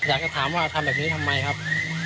อยากจะถามว่าทำแบบนี้ทำไมครับ